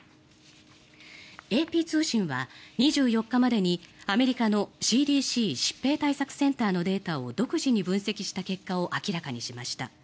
ＡＰ通信は２４日までにアメリカのＣＤＣ・疾病対策センターのデータを独自に分析した結果を明らかにしました。